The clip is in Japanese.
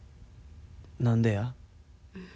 何でや？